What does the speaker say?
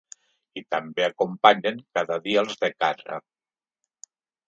I també acompanyen cada dia els de casa.